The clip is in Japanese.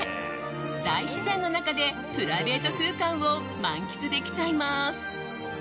大自然の中でプライベート空間を満喫できちゃいます。